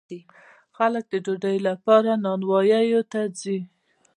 خلک د ډوډۍ لپاره نانواییو ته ځي.